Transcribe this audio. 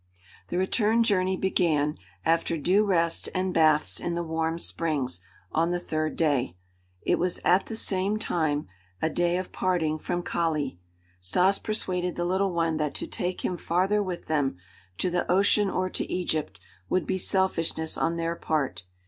The return journey began, after due rest and baths in the warm springs, on the third day. It was at the same time a day of parting from Kali. Stas persuaded the little one that to take him farther with them to the ocean or to Egypt would be selfishness on their part.